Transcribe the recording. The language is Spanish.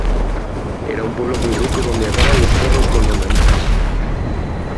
Era un pueblo muy rico donde ataban los perros con longanizas